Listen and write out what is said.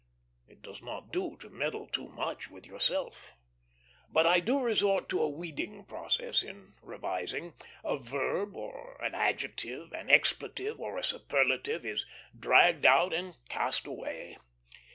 It does not do to meddle too much with yourself. But I do resort to a weeding process in revising; a verb or an adjective, an expletive or a superlative, is dragged out and cast away.